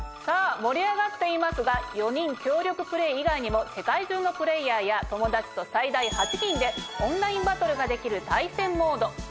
さぁ盛り上がっていますが４人協力プレイ以外にも世界中のプレイヤーや友達と最大８人でオンラインバトルができる対戦モード